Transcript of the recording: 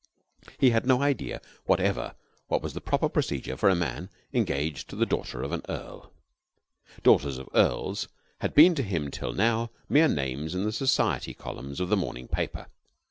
He had no idea whatever of what was the proper procedure for a man engaged to the daughter of an earl. Daughters of earls had been to him till now mere names in the society columns of the morning paper.